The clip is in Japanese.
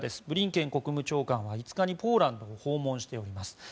ブリンケン国務長官は５日にポーランドを訪問しております。